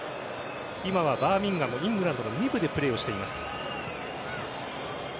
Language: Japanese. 今はバーミンガムイングランドの２部でプレーをしています。